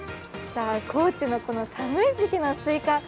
さあ、高知のこの寒い時期のスイカ